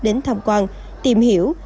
đến thăm quan tìm hiểu